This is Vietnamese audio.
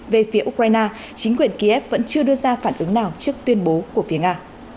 về phía ukraine chính quyền kiev vẫn chưa đưa ra phản ứng nào trước tuyên bố của phía nga